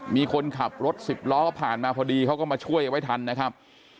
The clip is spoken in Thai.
มีคนขับรถสิบล้อผ่านมาพอดีเขาก็มาช่วยเอาไว้ทันนะครับ